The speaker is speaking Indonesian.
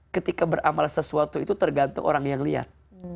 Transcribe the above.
ketika beramal sesuatu itu tergantung orang yang lihat